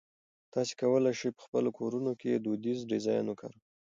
تاسي کولای شئ په خپلو کورونو کې دودیزه ډیزاین وکاروئ.